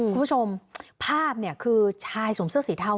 คุณผู้ชมภาพเนี่ยคือชายสวมเสื้อสีเทา